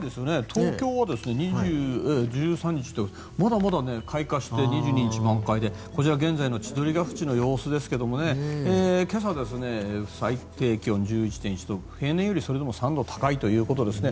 東京はまだまだ開花して２２日、満開でこちら、現在の千鳥ヶ淵の様子ですが今朝、最低気温１１．１度平年よりそれでも３度高いということですね。